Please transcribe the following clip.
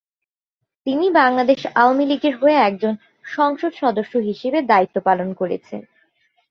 তিনি বাংলাদেশ আওয়ামীলীগের হয়ে একজন সংসদ সদস্য হিসেবে দায়িত্ব পালন করেছেন।